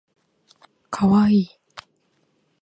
かわいい